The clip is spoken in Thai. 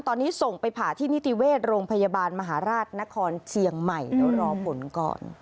ตอนนี้ส่งไปผ่าที่นิติเวชโรงพยาบาลมหาราชนครเชียงใหม่เดี๋ยวรอผลก่อน